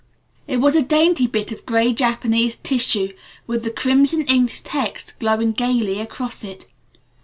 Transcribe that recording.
It was a dainty bit of gray Japanese tissue with the crimson inked text glowing gaily across it.